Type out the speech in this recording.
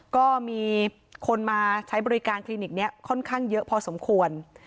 ก็มีคนมาใช้บริการคลินิกนี้ค่อนข้างเยอะพอสมควร